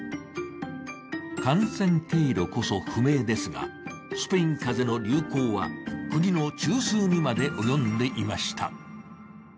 感染経路こそ不明ですが、スペイン風邪の流行は国の中枢にまで及んでいました。